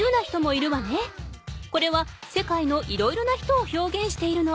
これは世界のいろいろな人をひょうげんしているの。